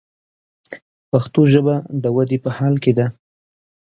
پښتو ژبه د ودې په حال کښې ده.